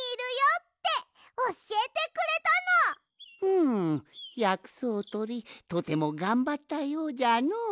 うんやくそうとりとてもがんばったようじゃのう。